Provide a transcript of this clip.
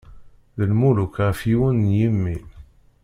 D lmuluk ɣef yiwen n yimi.